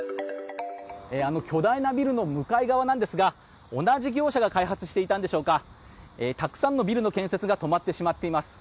あの巨大なビルの向かい側なんですが同じ業者が開発していたんでしょうかたくさんのビルの建設が止まってしまっています。